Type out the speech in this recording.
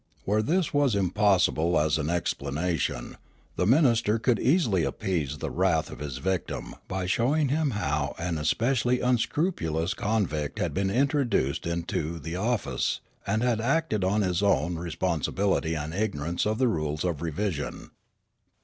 Where this was impossible as an explanation, the minister could easily appease the wrath of his victim by showing him how an especially unscrupulous convict had been introduced new into the office and had acted on his own responsibility and ignorance of the rules of revision.